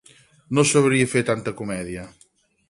No sabria fer tanta comèdia.